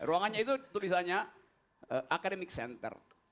ruangannya itu tulisannya academic center